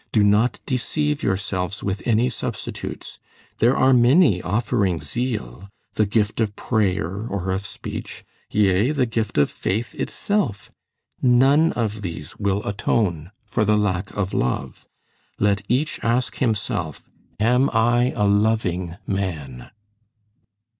Do not deceive yourselves with any substitutes; there are many offering zeal, the gift of prayer or of speech, yea, the gift of faith itself. None of these will atone for the lack of love. Let each ask himself, Am I a loving man?"